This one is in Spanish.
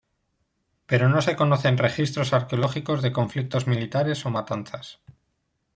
Pero no se conocen registros arqueológicos de conflictos militares o matanzas.